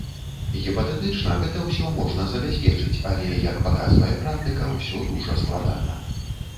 Гіпатэтычна гэта ўсё можна забяспечыць, але, як паказвае практыка, усё дужа складана.